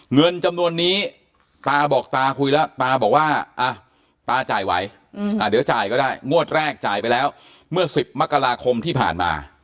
เงินจำนวนนี้ตาบอกตาคุยแล้วตาบอกว่าตาจ่ายไหวเดี๋ยวจ่ายก็ได้งวดแรกจ่ายไปแล้วเมื่อ๑๐มกราคมที่ผ่านมา